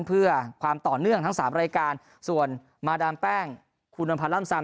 เพื่อความต่อเนื่องทั้งสามรายการส่วนมาดามแป้งคุณนวลพันธ์ล่ำซำ